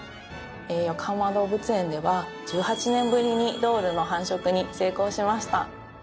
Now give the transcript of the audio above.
よこはま動物園では１８年ぶりにドールの繁殖に成功しました。